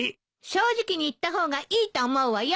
正直に言った方がいいと思うわよ。